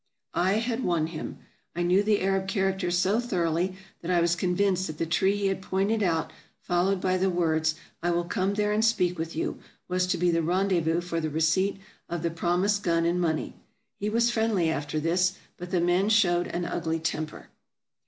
I had won him. I knew the Arab character so thor oughly that I was convinced that the tree he had pointed out, followed by the words, " I will come there and speak with you, '' was to be the rendezvous for the receipt of the promised gun and money. He was friendly after this, but the men showed an ugly temper.